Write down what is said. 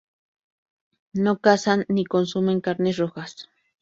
No cazan, ni consumen carnes rojas.